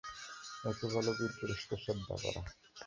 একে বলে বীরপুরুষকে শ্রদ্ধা করা।